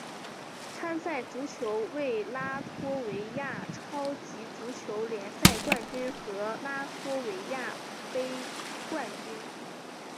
参赛球队为拉脱维亚超级足球联赛冠军和拉脱维亚杯冠军。